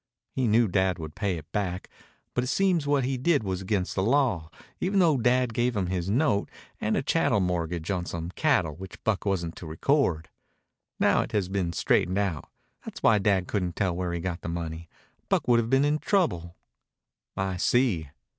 He knew Dad would pay it back, but it seems what he did was against the law, even though Dad gave him his note and a chattel mortgage on some cattle which Buck wasn't to record. Now it has been straightened out. That's why Dad couldn't tell where he got the money. Buck would have been in trouble." "I see."